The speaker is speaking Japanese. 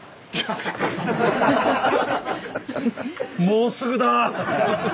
もうすぐだ。